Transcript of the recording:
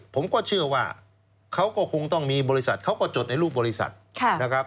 ผมก็เชื่อว่าเขาก็คงต้องมีบริษัทเขาก็จดในรูปบริษัทนะครับ